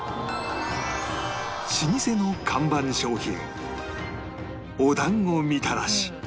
老舗の看板商品